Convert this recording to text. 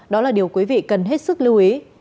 đó là điều quý vị cần hết sức lưu ý